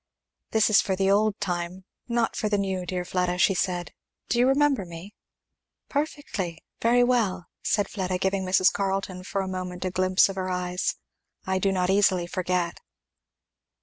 "This is for the old time not for the new, dear Fleda," she said. "Do you remember me?" "Perfectly! very well," said Fleda, giving Mrs. Carleton for a moment a glimpse of her eyes. "I do not easily forget."